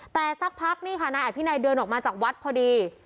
แต่สักพักนี่ค่ะนายอภินัยเดินออกมาจากวัดพอดี